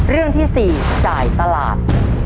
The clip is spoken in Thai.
เรื่องที่๔จ่ายตลาด